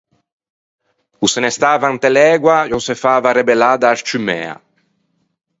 O se ne stava inte l’ægua e o se fava rebellâ da-a scciummæa.